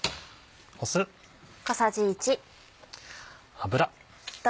油。